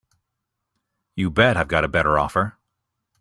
You bet I've got a better offer.